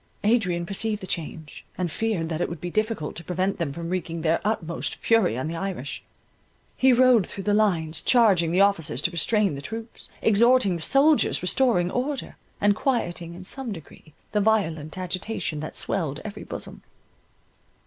Adrian perceived the change, and feared that it would be difficult to prevent them from wreaking their utmost fury on the Irish. He rode through the lines, charging the officers to restrain the troops, exhorting the soldiers, restoring order, and quieting in some degree the violent agitation that swelled every bosom.